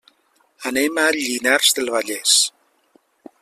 Anem a Llinars del Vallès.